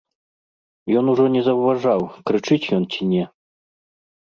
Ён ужо не заўважаў, крычыць ён ці не.